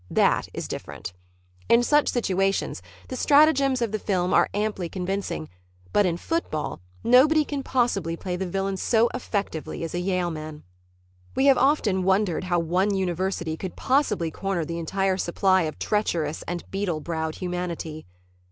That is different. In such situations the stratagems of the films are amply convincing, but in football nobody can possibly play the villain so effectively as a Yaleman. We have often wondered how one university could possibly corner the entire supply of treacherous and beetle browed humanity.